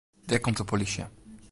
Dêr komt de polysje.